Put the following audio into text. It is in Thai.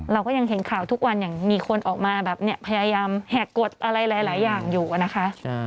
เราก็ยังเห็นข่าวทุกวันอย่างมีคนออกมาแบบพยายามแหกกดอะไรหลายอย่างอยู่นะคะ